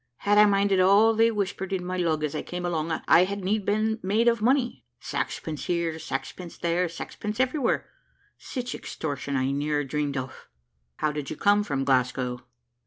Had I minded all they whispered in my lug as I came along, I had need been made of money sax pence here, sax pence there, sax pence everywhere. Sich extortion I ne'er dreamt of." "How did you come from Glasgow?"